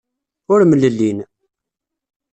Ur mlellin.